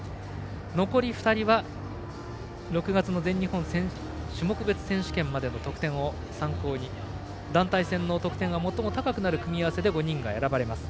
残り２人は６月の全日本種目別選手権までの得点を参考に団体戦の得点が最も高くなる組み合わせで５人が選ばれます。